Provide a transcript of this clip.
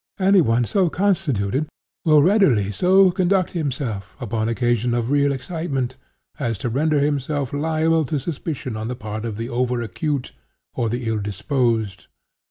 Any one so constituted will readily so conduct himself, upon occasion of real excitement, as to render himself liable to suspicion on the part of the over acute, or the ill disposed.